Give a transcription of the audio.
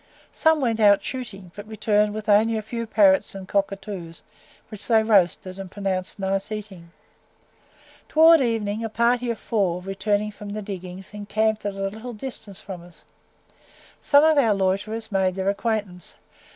Some went out shooting, but returned with only a few parrots and cockatoos, which they roasted, and pronounced nice eating. Towards evening, a party of four, returning from the diggings, encamped at a little distance from us. Some of our loiterers made their acquaintance.